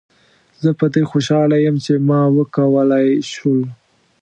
زه په دې خوشحاله یم چې ما وکولای شول.